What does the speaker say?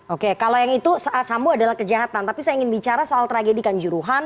oke kalau yang itu sambo adalah kejahatan tapi saya ingin bicara soal tragedi kanjuruhan